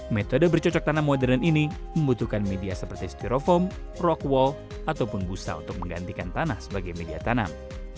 metode bercocok tanam modern ini membutuhkan media seperti styrofoam rock wall ataupun busa untuk menggantikan tanah sebagai media tanam